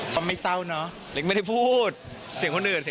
เพราะเราถามตัวเองให้รอดก่อน